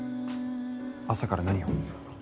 朝から何を？